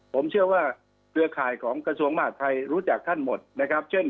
ผมเชื่อว่าเครือข่ายของกระทรวงมหาดไทยรู้จักท่านหมดนะครับเช่น